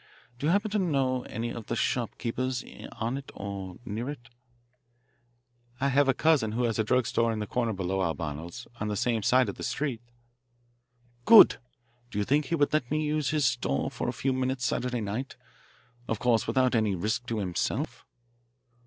Do you happen to know any of the shopkeepers on it or near it?" "I have a cousin who has a drug store on the corner below Albano's, on the same side of the street." "Good! Do you think he would let me use his store for a few minutes Saturday night of course without any risk to himself!"